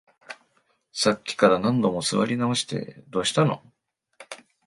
さっきから何度も座り直して、どうしたの？